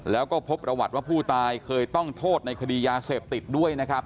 แล้วก็พบประวัติว่าผู้ตายเคยต้องโทษในคดียาเสพติดด้วยนะครับ